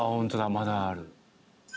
まだある。